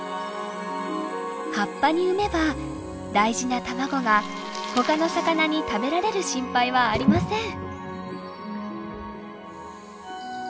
葉っぱに産めば大事な卵がほかの魚に食べられる心配はありません。